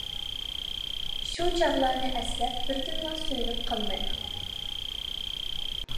شۇ چاغلارنى ئەسلەپ بىردىنلا سۆيۈنۈپ قالىمەن.